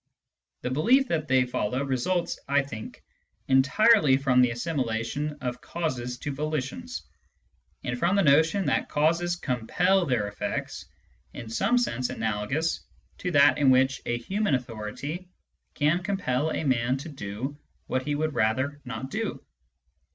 The belief that they follow results, I think, entirely from the assimilation of causes to volitions, and from the notion that causes compel their effects in some sense analogous to that in which a human authority can compel a man to do what he would rather not do.